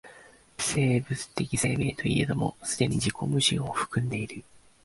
生物的生命といえども既に自己矛盾を含んでいる。